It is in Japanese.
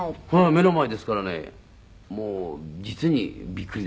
目の前ですからねもう実にびっくりですね。